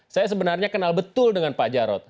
saya sebenarnya kenal betul dengan pak jarod